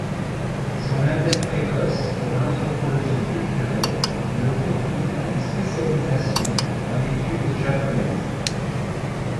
Son intérêt précoce pour l'anthropologie culturelle le conduit à une spécialisation en études japonaises.